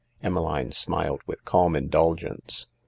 Emmeline smiled with calm indulgence.